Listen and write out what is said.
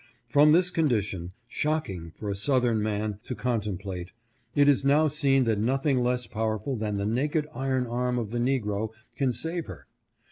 From this condition, shocking for a southern man to contemplate, it is now seen that nothing less powerful than the naked iron arm of the negro can save her.